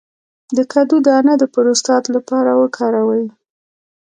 د کدو دانه د پروستات لپاره وکاروئ